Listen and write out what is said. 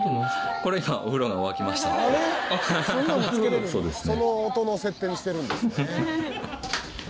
これ今その音の設定にしてるんですね。